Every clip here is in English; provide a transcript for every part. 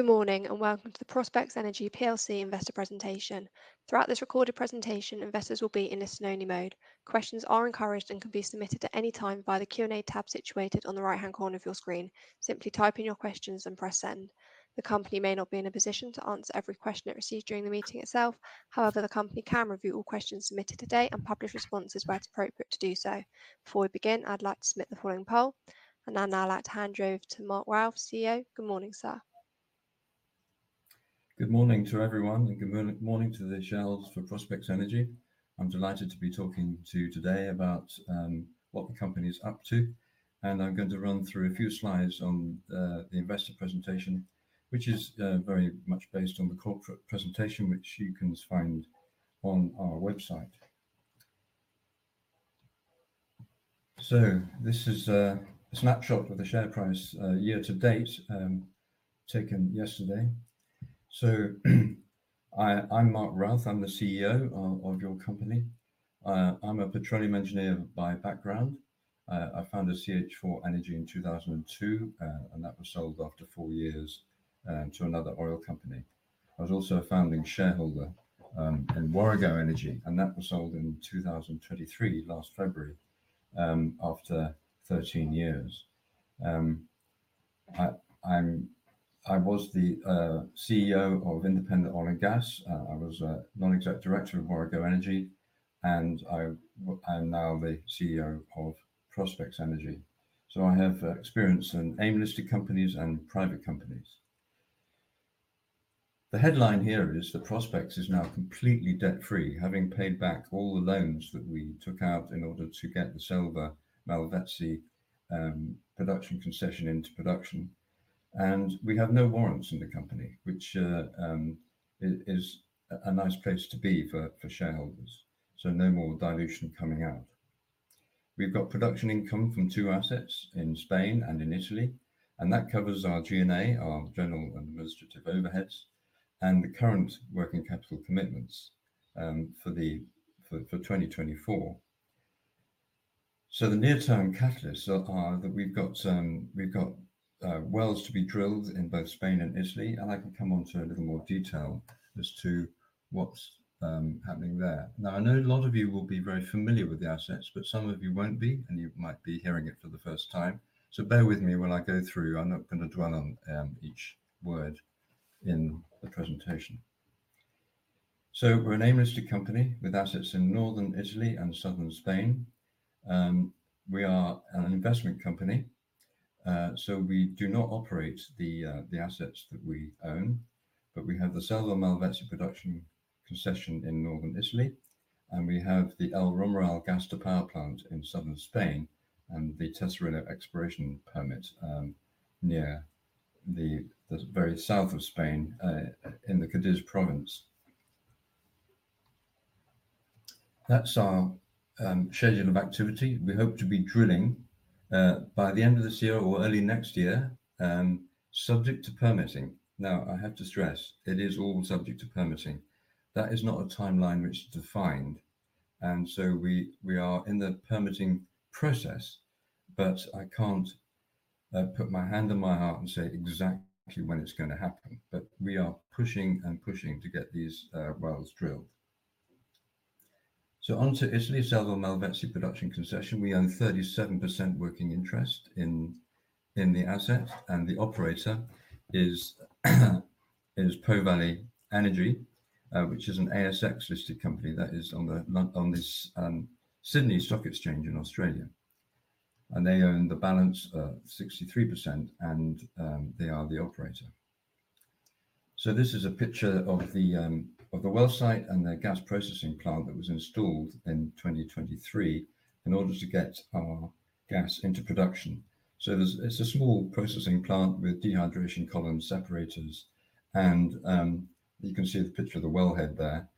Good morning, and welcome to the Prospex Energy PLC investor presentation. Throughout this recorded presentation, investors will be in a listen-only mode. Questions are encouraged and can be submitted at any time by the Q&A tab situated on the right-hand corner of your screen. Simply type in your questions and press send. The company may not be in a position to answer every question it receives during the meeting itself. However, the company can review all questions submitted today and publish responses where it's appropriate to do so. Before we begin, I'd like to submit the following poll, and I'd now like to hand you over to Mark Routh, CEO. Good morning, sir. Good morning to everyone, and good morning to the shareholders for Prospex Energy. I'm delighted to be talking to you today about what the company is up to, and I'm going to run through a few slides on the investor presentation, which is very much based on the corporate presentation, which you can find on our website. So this is a snapshot of the share price year to date, taken yesterday. So I'm Mark Routh. I'm the CEO of your company. I'm a petroleum engineer by background. I founded CH4 Energy in 2002, and that was sold after four years to another oil company. I was also a founding shareholder in Warrego Energy, and that was sold in 2023, last February, after 13 years. I'm... I was the CEO of Independent Oil and Gas. I was a non-exec director of Warrego Energy, and I, I'm now the CEO of Prospex Energy. So I have experience in AIM-listed companies and private companies. The headline here is that Prospex is now completely debt-free, having paid back all the loans that we took out in order to get the Selva Malvezzi production concession into production. And we have no warrants in the company, which is a nice place to be for shareholders, so no more dilution coming out. We've got production income from two assets in Spain and in Italy, and that covers our G&A, our general and administrative overheads, and the current working capital commitments for 2024. So the near-term catalysts are that we've got some... We've got wells to be drilled in both Spain and Italy, and I can come on to a little more detail as to what's happening there. Now, I know a lot of you will be very familiar with the assets, but some of you won't be, and you might be hearing it for the first time. So bear with me when I go through. I'm not gonna dwell on each word in the presentation. So we're an AIM-listed company with assets in northern Italy and southern Spain. We are an investment company, so we do not operate the assets that we own, but we have the Selva Malvezzi production concession in northern Italy, and we have the El Romeral gas to power plant in southern Spain, and the Tesorillo exploration permit, near the very south of Spain, in the Cádiz province. That's our schedule of activity. We hope to be drilling by the end of this year or early next year, subject to permitting. Now, I have to stress, it is all subject to permitting. That is not a timeline which is defined, and so we are in the permitting process, but I can't put my hand on my heart and say exactly when it's gonna happen. But we are pushing and pushing to get these wells drilled. So on to Italy, Selva Malvezzi production concession. We own 37% working interest in the asset, and the operator is Po Valley Energy, which is an ASX-listed company that is on the Sydney Stock Exchange in Australia. And they own the balance of 63%, and they are the operator. So this is a picture of the well site and the gas processing plant that was installed in 2023 in order to get our gas into production. So there's. It's a small processing plant with dehydration column separators, and you can see the picture of the well head there.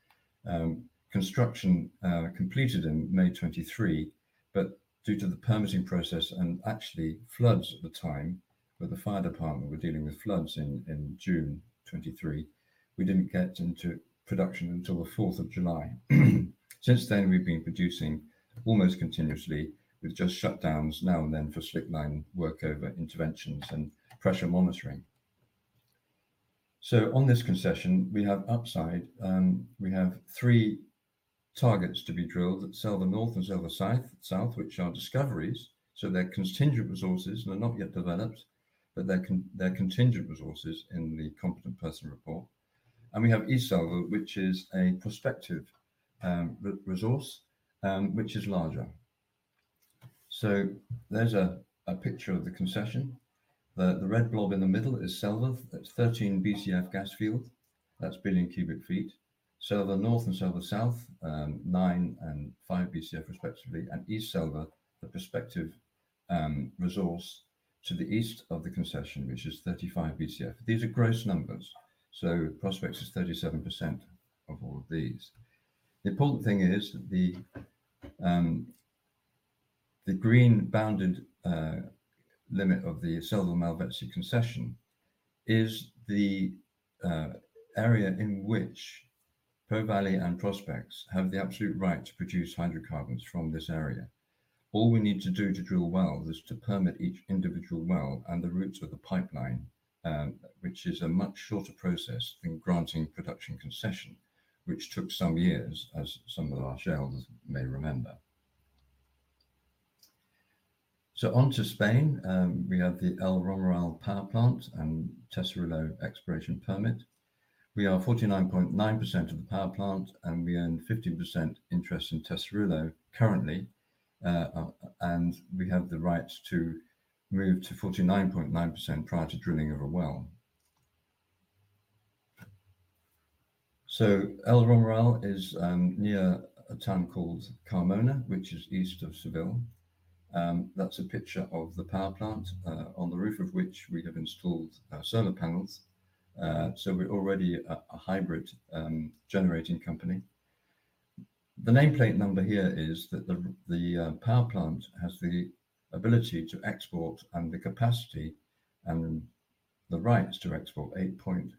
Construction completed in May 2023, but due to the permitting process and actually floods at the time, where the fire department were dealing with floods in June 2023, we didn't get into production until the 4th of July. Since then, we've been producing almost continuously with just shutdowns now and then for slickline workover interventions and pressure monitoring. So on this concession, we have upside. We have three targets to be drilled at Selva North and Selva South which are discoveries. So they're contingent resources. They're not yet developed, but they're contingent resources in the Competent Person Report. And we have East Selva, which is a prospective resource, which is larger. So there's a picture of the concession. The red blob in the middle is Selva. That's 13 Bcf gas field. That's billion cubic feet. Selva North and Selva South, nine and five Bcf, respectively, and East Selva, the prospective resource to the east of the concession, which is 35 Bcf. These are gross numbers, so Prospex is 37% of all of these. The important thing is that the green bounded limit of the Selva Malvezzi concession is the area in which Po Valley and Prospex have the absolute right to produce hydrocarbons from this area. All we need to do to drill wells is to permit each individual well and the routes of the pipeline, which is a much shorter process than granting production concession, which took some years, as some of our shareholders may remember. So on to Spain, we have the El Romeral Power Plant and Tesorillo Exploration Permit. We are 49.9% of the power plant, and we own 50% interest in Tesorillo currently, and we have the right to move to 49.9% prior to drilling of a well. So El Romeral is near a town called Carmona, which is east of Seville. That's a picture of the power plant on the roof of which we have installed solar panels. So we're already a hybrid generating company. The nameplate number here is that the power plant has the ability to export, and the capacity and the rights to export 8.1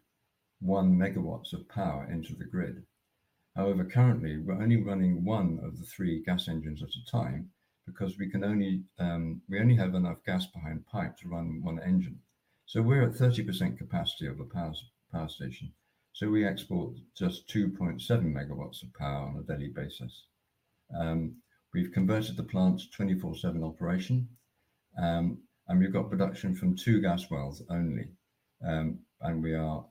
MW of power into the grid. However, currently, we're only running one of the three gas engines at a time because we can only... we only have enough gas behind pipe to run one engine. So we're at 30% capacity of the power station, so we export just 2.7 MW of power on a daily basis. We've converted the plant to 24/7 operation, and we've got production from two gas wells only. We are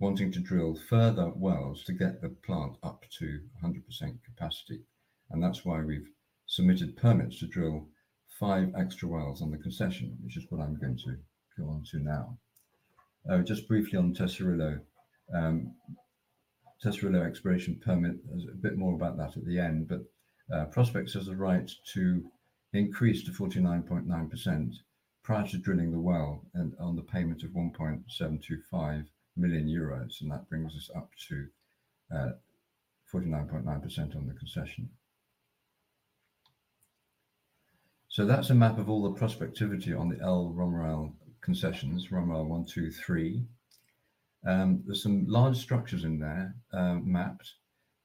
wanting to drill further wells to get the plant up to 100% capacity, and that's why we've submitted permits to drill five extra wells on the concession, which is what I'm going to go on to now. Just briefly on Tesorillo. Tesorillo Exploration Permit, there's a bit more about that at the end, but, Prospex has the right to increase to 49.9% prior to drilling the well and on the payment of 1.725 million euros, and that brings us up to, 49.9% on the concession. So that's a map of all the prospectivity on the El Romeral concessions, Romeral one, two, three. There's some large structures in there, mapped.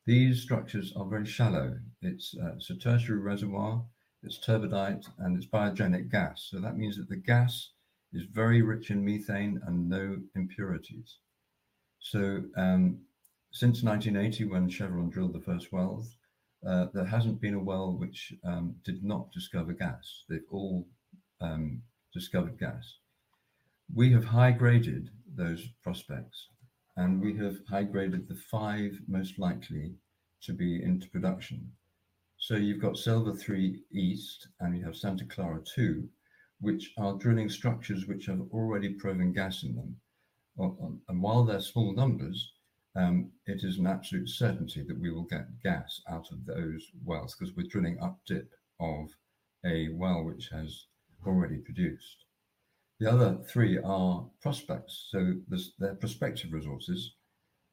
These structures are very shallow. It's a Tertiary reservoir, it's turbidite, and it's biogenic gas, so that means that the gas is very rich in methane and no impurities. So, since 1980, when Chevron drilled the first wells, there hasn't been a well which, did not discover gas. They've all discovered gas. We have high-graded those prospects, and we have high-graded the five most likely to be into production. So you've got Sevilla-3 East, and you have Santa Clara-2, which are drilling structures which have already proven gas in them. While they're small numbers, it is an absolute certainty that we will get gas out of those wells 'cause we're drilling updip of a well which has already produced. The other three are prospects, so they're prospective resources.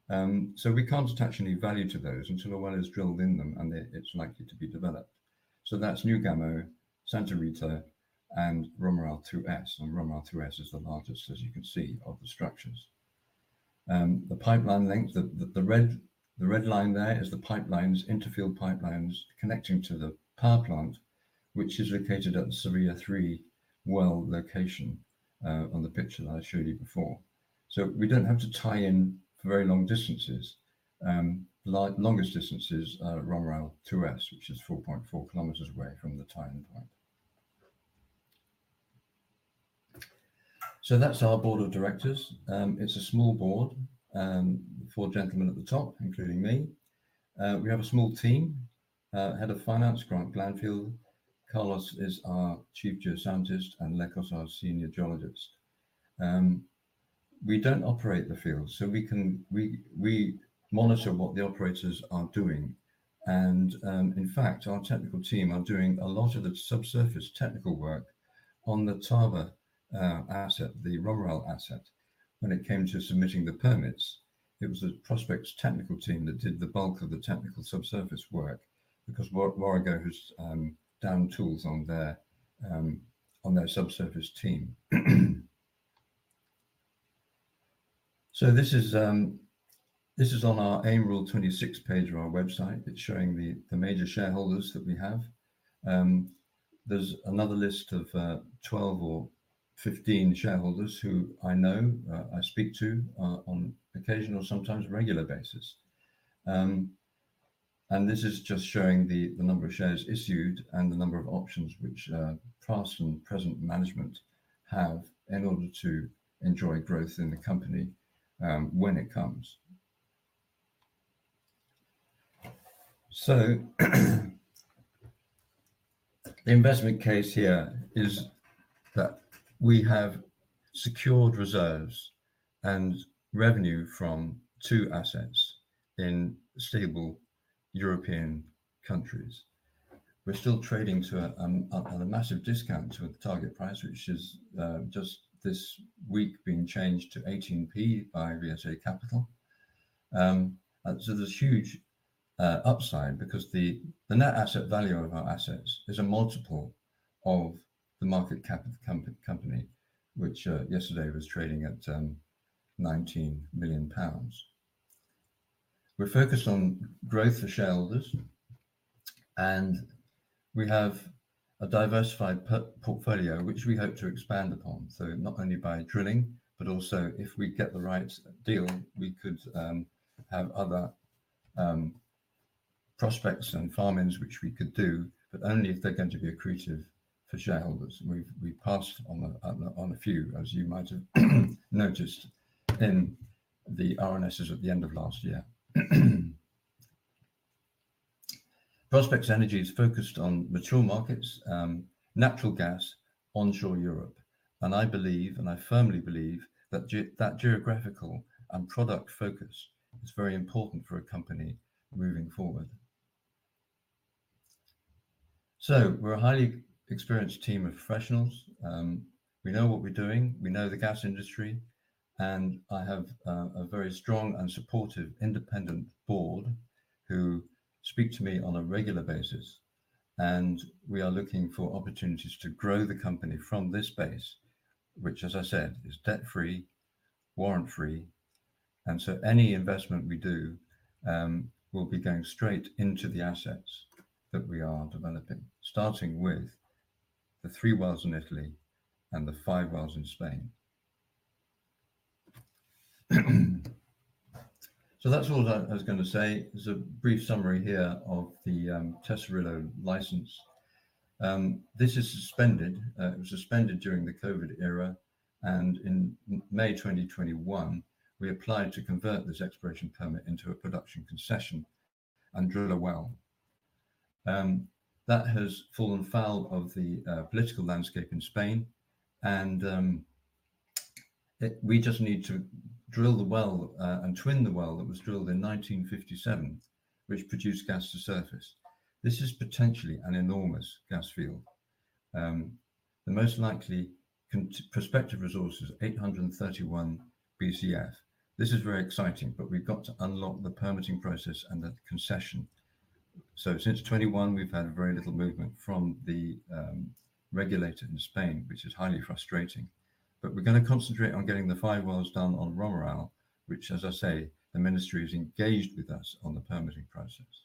So we can't attach any value to those until a well is drilled in them, and it's likely to be developed. So that's Nugamo, Santa Rita, and Romeral-2S, and Romeral-2S is the largest, as you can see, of the structures. The red line there is the pipelines, inter-field pipelines connecting to the power plant, which is located at the Sevilla-3 well location, on the picture that I showed you before. So we don't have to tie in for very long distances. The longest distances are Romeral-2S, which is 4.4 km away from the tie-in point. So that's our board of directors. It's a small board, four gentlemen at the top, including me. We have a small team, Head of Finance, Grant Glanfield. Carlos is our Chief Geoscientist, and Alecos, our Senior Geologist. We don't operate the field, so we can... we, we monitor what the operators are doing. And, in fact, our technical team are doing a lot of the subsurface technical work on the Tarba asset, the Romeral asset. When it came to submitting the permits, it was the Prospex technical team that did the bulk of the technical subsurface work because Warrego's down tools on their subsurface team. So this is on our AIM Rule 26 page on our website. It's showing the major shareholders that we have. There's another list of 12 or 15 shareholders who I know I speak to on occasional, sometimes regular basis. And this is just showing the number of shares issued and the number of options which past and present management have in order to enjoy growth in the company when it comes. So, the investment case here is that we have secured reserves and revenue from two assets in stable European countries. We're still trading at a massive discount to the target price, which is just this week being changed to 18p by VSA Capital. And so there's huge-... Upside because the net asset value of our assets is a multiple of the market cap of the company, which yesterday was trading at 19 million pounds. We're focused on growth for shareholders, and we have a diversified portfolio, which we hope to expand upon. So not only by drilling, but also if we get the right deal, we could have other prospects and farm-ins, which we could do, but only if they're going to be accretive for shareholders. We passed on a few, as you might have noticed in the RNSs at the end of last year. Prospex Energy is focused on mature markets, natural gas, onshore Europe. And I believe, and I firmly believe, that geographical and product focus is very important for a company moving forward. So we're a highly experienced team of professionals. We know what we're doing, we know the gas industry, and I have a very strong and supportive independent board who speak to me on a regular basis. We are looking for opportunities to grow the company from this base, which, as I said, is debt-free, warrant-free. So any investment we do will be going straight into the assets that we are developing, starting with the three wells in Italy and the five wells in Spain. So that's all I was gonna say. There's a brief summary here of the Tesorillo license. This is suspended, it was suspended during the COVID era, and in May 2021, we applied to convert this exploration permit into a production concession and drill a well. That has fallen foul of the political landscape in Spain, and we just need to drill the well, and twin the well that was drilled in 1957, which produced gas to surface. This is potentially an enormous gas field. The most likely prospective resource is 831 Bcf. This is very exciting, but we've got to unlock the permitting process and the concession. So since 2021, we've had very little movement from the regulator in Spain, which is highly frustrating. But we're gonna concentrate on getting the five wells done on Romeral, which, as I say, the ministry is engaged with us on the permitting process.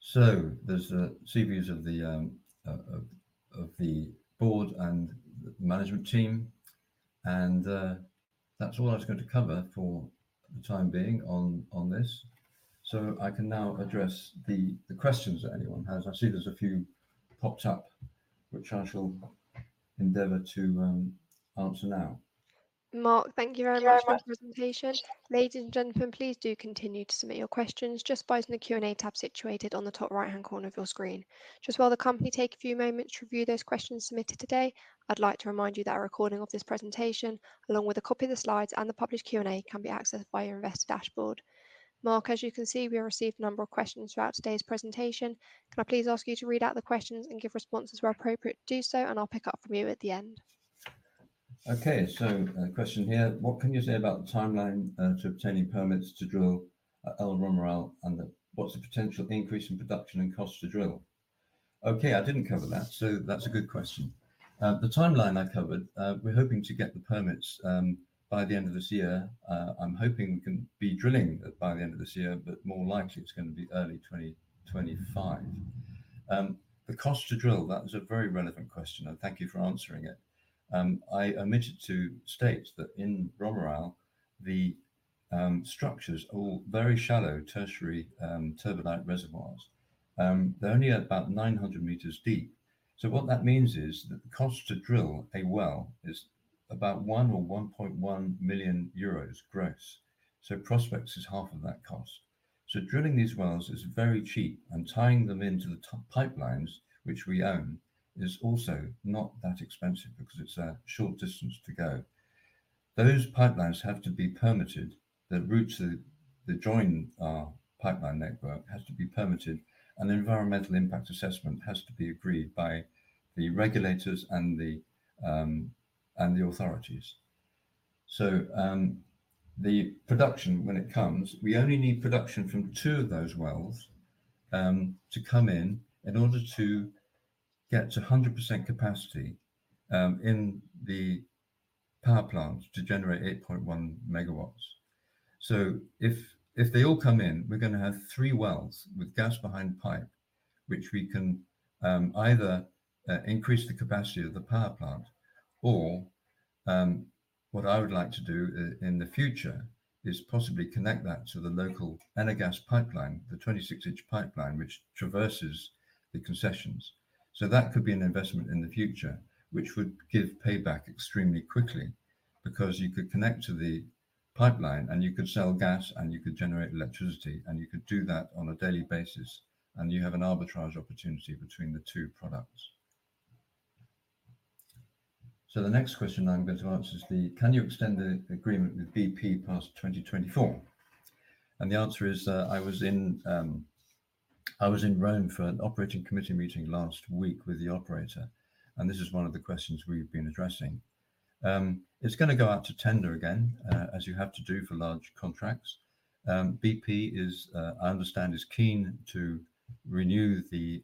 So there's the CVs of the board and management team, and that's all I was going to cover for the time being on this. So I can now address the questions that anyone has. I see there's a few popped up, which I shall endeavor to answer now. Mark, thank you very much for the presentation. Ladies and gentlemen, please do continue to submit your questions just by using the Q&A tab situated on the top right-hand corner of your screen. Just while the company take a few moments to review those questions submitted today, I'd like to remind you that a recording of this presentation, along with a copy of the slides and the published Q&A, can be accessed via your investor dashboard. Mark, as you can see, we have received a number of questions throughout today's presentation. Can I please ask you to read out the questions and give responses where appropriate? Do so, and I'll pick up from you at the end. Okay, so a question here: "What can you say about the timeline to obtaining permits to drill at El Romeral, and what's the potential increase in production and cost to drill?" Okay, I didn't cover that, so that's a good question. The timeline I covered. We're hoping to get the permits by the end of this year. I'm hoping we can be drilling by the end of this year, but more likely it's gonna be early 2025. The cost to drill, that was a very relevant question, and thank you for answering it. I omitted to state that in El Romeral, the structures are all very shallow, Tertiary turbidite reservoirs. They're only about 900 meters deep. So what that means is that the cost to drill a well is about 1 million or 1.1 million euros gross. Prospex is half of that cost. So drilling these wells is very cheap, and tying them into the pipelines, which we own, is also not that expensive because it's a short distance to go. Those pipelines have to be permitted. The routes that join our pipeline network has to be permitted, and the environmental impact assessment has to be agreed by the regulators and the authorities. The production, when it comes, we only need production from two of those wells to come in in order to get to 100% capacity in the power plant to generate 8.1 MW. So if, if they all come in, we're gonna have three wells with gas behind pipe, which we can, either, increase the capacity of the power plant, or, what I would like to do in the future is possibly connect that to the local Enagás pipeline, the 26-inch pipeline, which traverses the concessions. So that could be an investment in the future, which would give payback extremely quickly, because you could connect to the pipeline, and you could sell gas, and you could generate electricity, and you could do that on a daily basis, and you have an arbitrage opportunity between the two products. So the next question I'm going to answer is the: "Can you extend the agreement with BP past 2024?" And the answer is, I was in,... I was in Rome for an operating committee meeting last week with the operator, and this is one of the questions we've been addressing. It's gonna go out to tender again, as you have to do for large contracts. BP is, I understand, is keen to renew the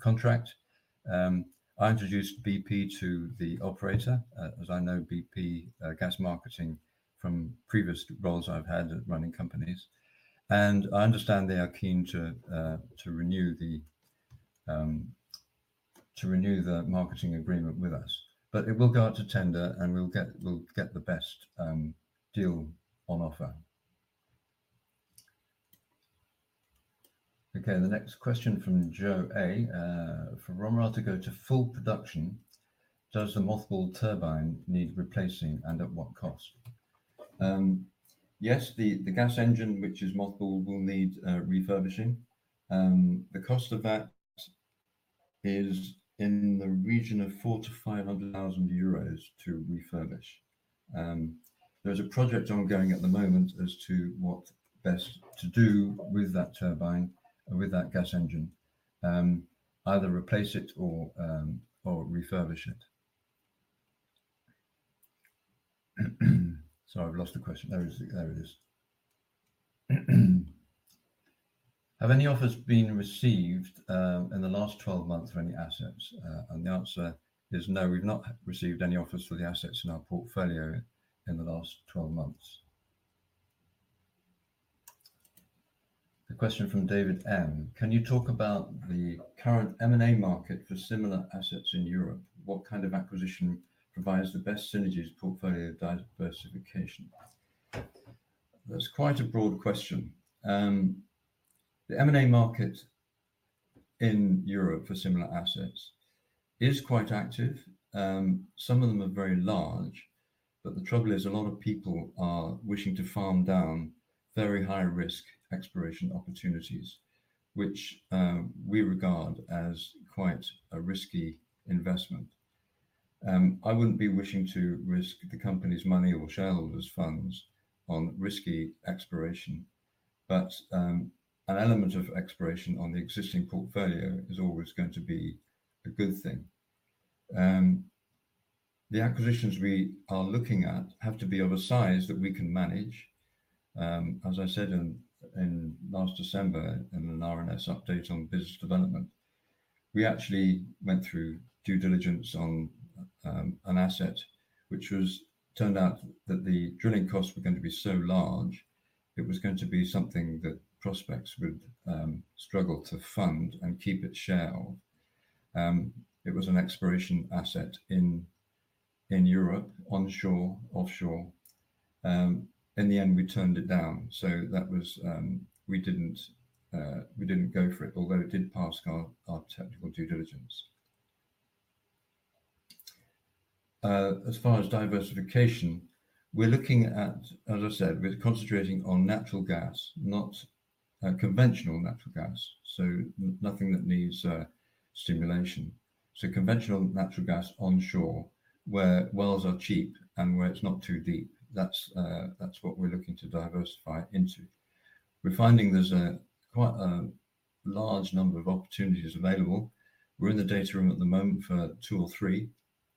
contract. I introduced BP to the operator, as I know BP Gas Marketing from previous roles I've had at running companies. And I understand they are keen to renew the marketing agreement with us. But it will go out to tender, and we'll get the best deal on offer. Okay, the next question from Joe A: For Romeral to go to full production, does the mothballed turbine need replacing, and at what cost? Yes, the gas engine, which is mothballed, will need refurbishing. The cost of that is in the region of 400,000-500,000 euros to refurbish. There's a project ongoing at the moment as to what's best to do with that turbine and with that gas engine. Either replace it or refurbish it. Sorry, I've lost the question. There it is. Have any offers been received in the last 12 months for any assets? And the answer is no. We've not received any offers for the assets in our portfolio in the last 12 months. A question from David M: Can you talk about the current M&A market for similar assets in Europe? What kind of acquisition provides the best synergies portfolio diversification? That's quite a broad question. The M&A market in Europe for similar assets is quite active. Some of them are very large, but the trouble is a lot of people are wishing to farm down very high-risk exploration opportunities, which we regard as quite a risky investment. I wouldn't be wishing to risk the company's money or shareholders' funds on risky exploration, but an element of exploration on the existing portfolio is always going to be a good thing. The acquisitions we are looking at have to be of a size that we can manage. As I said in last December, in an RNS update on business development, we actually went through due diligence on an asset, which was turned out that the drilling costs were going to be so large, it was going to be something that prospects would struggle to fund and keep it shell. It was an exploration asset in Europe, onshore, offshore. In the end, we turned it down, so that was. We didn't go for it, although it did pass our technical due diligence. As far as diversification, we're looking at as I said, we're concentrating on natural gas, not conventional natural gas, so nothing that needs stimulation. So conventional natural gas onshore, where wells are cheap and where it's not too deep. That's what we're looking to diversify into. We're finding there's quite a large number of opportunities available. We're in the data room at the moment for two or three,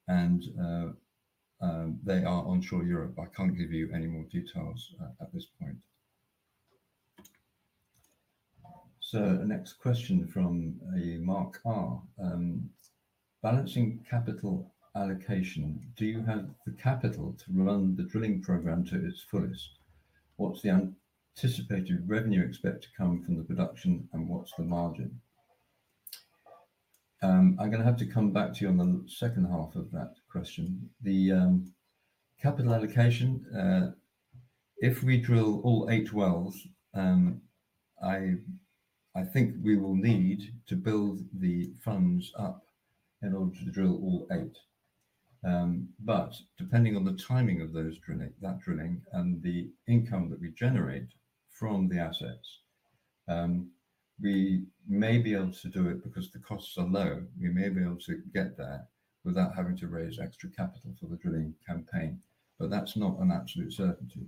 and they are onshore Europe. I can't give you any more details at this point. So the next question from a Mark R. Balancing capital allocation, do you have the capital to run the drilling program to its fullest? What's the anticipated revenue expect to come from the production, and what's the margin? I'm gonna have to come back to you on the second half of that question. The capital allocation, if we drill all 8 wells, I think we will need to build the funds up in order to drill all 8. But depending on the timing of those drilling, that drilling and the income that we generate from the assets, we may be able to do it because the costs are low. We may be able to get there without having to raise extra capital for the drilling campaign, but that's not an absolute certainty.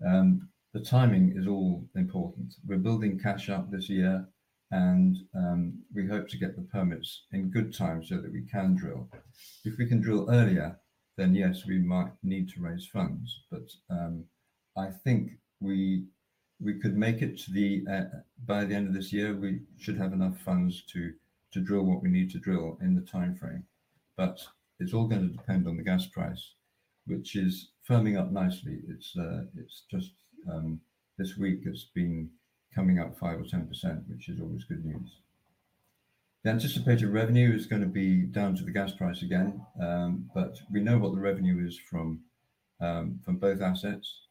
The timing is all important. We're building cash up this year, and we hope to get the permits in good time so that we can drill. If we can drill earlier, then yes, we might need to raise funds, but I think we, we could make it to the... By the end of this year, we should have enough funds to, to drill what we need to drill in the timeframe. But it's all gonna depend on the gas price, which is firming up nicely. It's just this week, it's been coming up 5% or 10%, which is always good news. The anticipated revenue is gonna be down to the gas price again, but we know what the revenue is from, from both assets.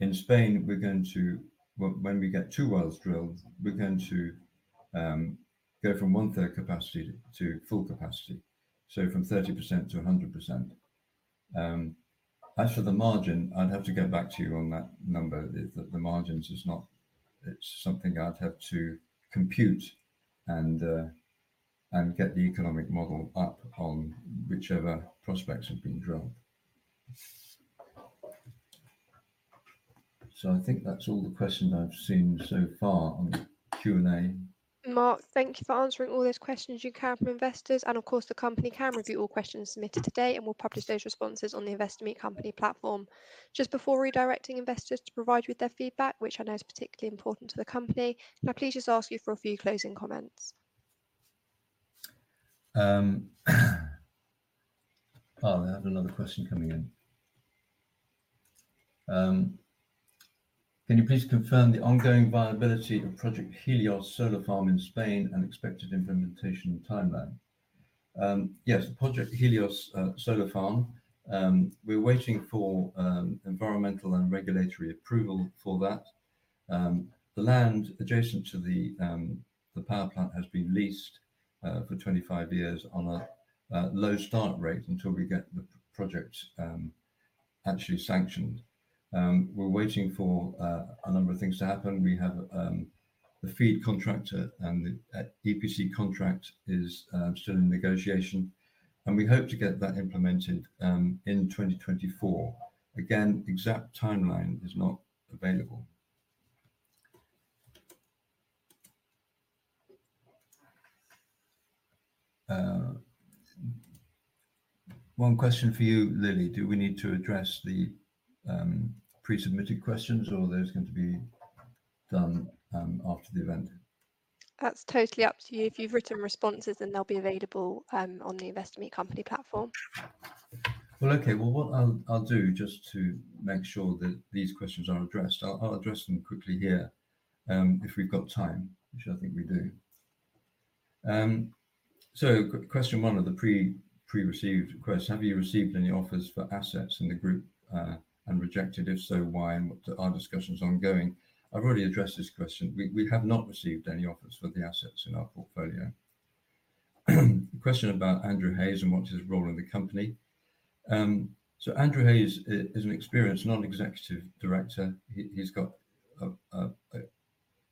In Spain, we're going to... When we get two wells drilled, we're going to go from one-third capacity to full capacity, so from 30%-100%. As for the margin, I'd have to get back to you on that number. The margins is not-- it's something I'd have to compute and get the economic model up on whichever prospects have been drilled. So I think that's all the questions I've seen so far on the Q&A. Mark, thank you for answering all those questions you can from investors, and of course, the company can review all questions submitted today, and we'll publish those responses on the Investor Meet Company platform. Just before redirecting investors to provide you with their feedback, which I know is particularly important to the company, can I please just ask you for a few closing comments? Oh, I have another question coming in. Can you please confirm the ongoing viability of Project Helios solar farm in Spain and expected implementation timeline? Yes, Project Helios solar farm, we're waiting for environmental and regulatory approval for that. The land adjacent to the, the power plant has been leased for 25 years on a, a low start rate until we get the project actually sanctioned. We're waiting for a number of things to happen. We have the FEED contractor and the EPC contract is still in negotiation, and we hope to get that implemented in 2024. Again, exact timeline is not available. One question for you, Lily. Do we need to address the pre-submitted questions, or are those going to be done after the event? That's totally up to you. If you've written responses, then they'll be available on the Investor Meet Company platform. Well, okay. Well, what I'll do just to make sure that these questions are addressed, I'll address them quickly here, if we've got time, which I think we do. So question one of the pre-received requests, have you received any offers for assets in the group, and rejected? If so, why, and what are discussions ongoing? I've already addressed this question. We have not received any offers for the assets in our portfolio. A question about Andrew Hay and what's his role in the company. So Andrew Hay is an experienced non-executive director. He's got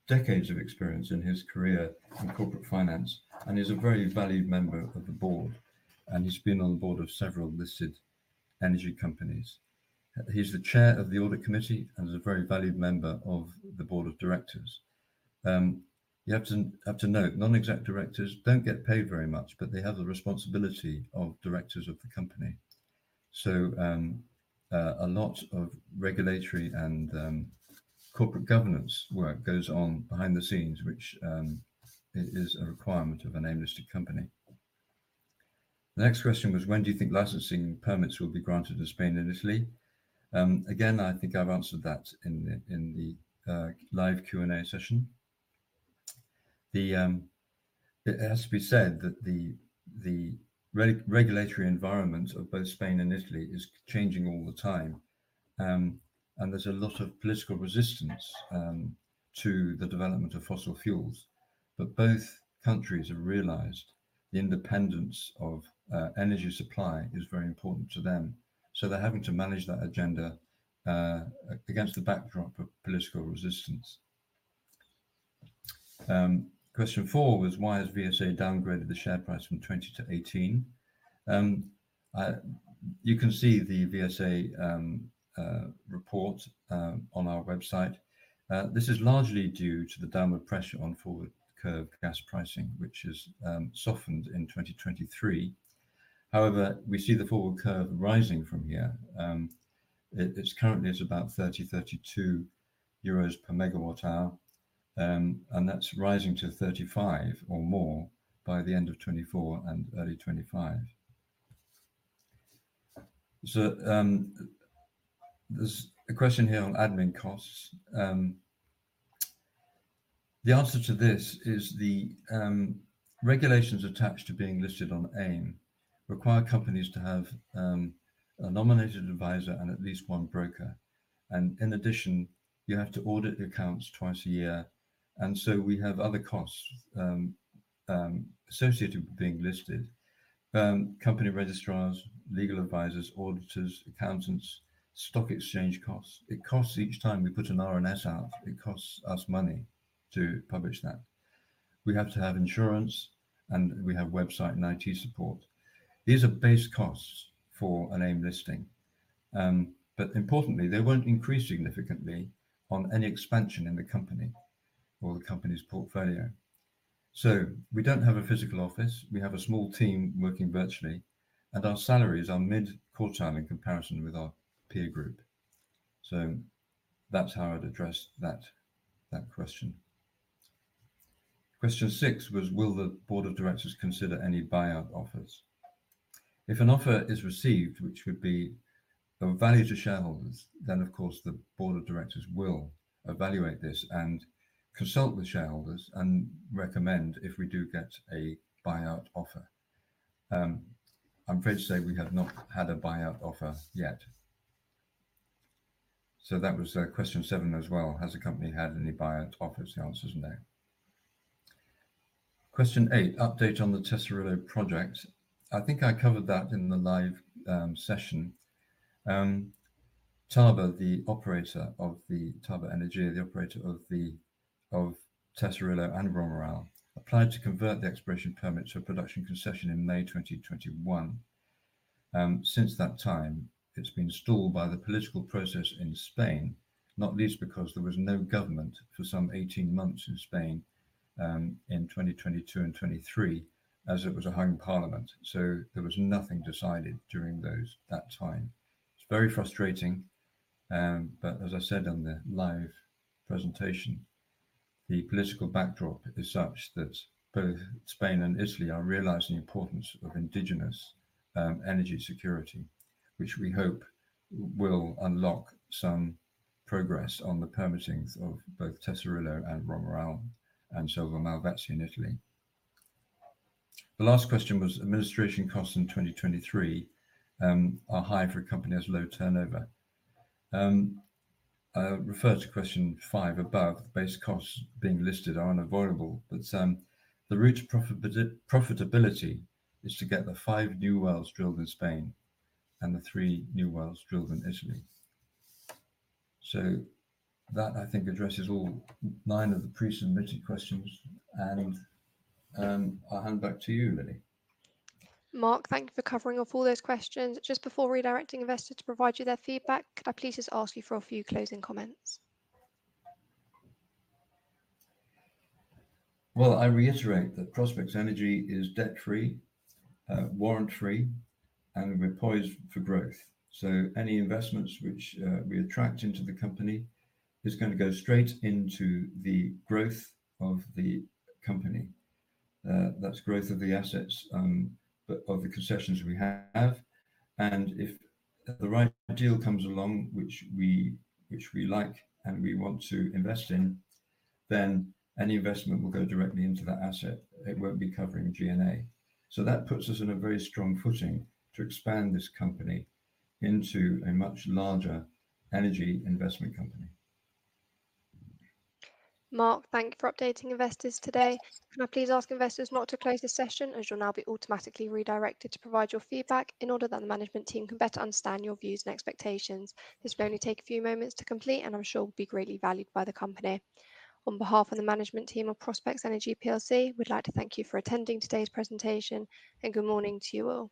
decades of experience in his career in corporate finance and is a very valued member of the board, and he's been on the board of several listed energy companies. He's the chair of the audit committee and is a very valued member of the board of directors. You have to note, non-exec directors don't get paid very much, but they have the responsibility of directors of the company. So, a lot of regulatory and corporate governance work goes on behind the scenes, which is a requirement of an AIM-listed company. The next question was: When do you think licensing permits will be granted in Spain and Italy? Again, I think I've answered that in the live Q&A session. It has to be said that the regulatory environment of both Spain and Italy is changing all the time, and there's a lot of political resistance to the development of fossil fuels, but both countries have realized the independence of energy supply is very important to them. So they're having to manage that agenda against the backdrop of political resistance. Question 4 was: Why has VSA downgraded the share price from 20p-18? You can see the VSA report on our website. This is largely due to the downward pressure on forward curve gas pricing, which has softened in 2023. However, we see the forward curve rising from here. It's currently about 32 euros MWh, and that's rising to 35 or more by the end of 2024 and early 2025. So, there's a question here on admin costs. The answer to this is the regulations attached to being listed on AIM require companies to have a nominated advisor and at least one broker. And in addition, you have to audit the accounts twice a year, and so we have other costs associated with being listed. Company registrars, legal advisors, auditors, accountants, stock exchange costs. It costs each time we put an RNS out, it costs us money to publish that. We have to have insurance, and we have website and IT support. These are base costs for an AIM listing. Importantly, they won't increase significantly on any expansion in the company or the company's portfolio. So we don't have a physical office, we have a small team working virtually, and our salaries are mid-quartile in comparison with our peer group. So that's how I'd address that question. Question six was: Will the board of directors consider any buyout offers? If an offer is received, which would be of value to shareholders, then, of course, the board of directors will evaluate this and consult the shareholders and recommend if we do get a buyout offer. I'm afraid to say we have not had a buyout offer yet. So that was question seven as well: Has the company had any buyout offers? The answer is no. Question eight: Update on the Tesorillo project. I think I covered that in the live session. Tarba Energía, the operator of Tesorillo and El Romeral, applied to convert the exploration permit to a production concession in May 2021. Since that time, it's been stalled by the political process in Spain, not least because there was no government for some 18 months in Spain, in 2022 and 2023, as it was a hung parliament. So there was nothing decided during that time. It's very frustrating, but as I said on the live presentation, the political backdrop is such that both Spain and Italy are realizing the importance of indigenous energy security, which we hope will unlock some progress on the permitting of both Tesorillo and El Romeral, and Selva Malvezzi in Italy. The last question was: administration costs in 2023 are high for a company that has low turnover. I refer to question five above. The base costs being listed are unavoidable, but the route to profitability is to get the five new wells drilled in Spain and the three new wells drilled in Italy. So that, I think, addresses all nine of the pre-submitted questions, and I'll hand back to you, Lily. Mark, thank you for covering off all those questions. Just before redirecting investors to provide you their feedback, can I please just ask you for a few closing comments? Well, I reiterate that Prospex Energy is debt-free, warrant-free, and we're poised for growth. So any investments which, we attract into the company is gonna go straight into the growth of the company. That's growth of the assets, but of the concessions we have. And if the right deal comes along, which we, which we like and we want to invest in, then any investment will go directly into that asset. It won't be covering G&A. So that puts us in a very strong footing to expand this company into a much larger energy investment company. Mark, thank you for updating investors today. Can I please ask investors not to close this session, as you'll now be automatically redirected to provide your feedback in order that the management team can better understand your views and expectations. This will only take a few moments to complete, and I'm sure will be greatly valued by the company. On behalf of the management team of Prospex Energy PLC, we'd like to thank you for attending today's presentation, and good morning to you all.